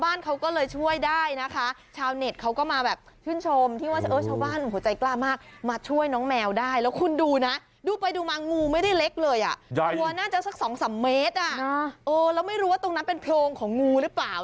อย่างไรก็ควรจะให้เจ้านาธิเข้าไปจับงู